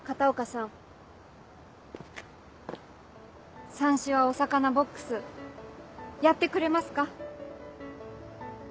さんしはお魚ボックスやってくれますか？